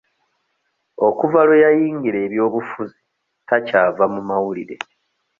Okuva lwe yayingira ebyobufuzi takyava mu mawulire.